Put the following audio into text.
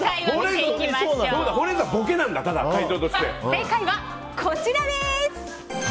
正解はこちらです。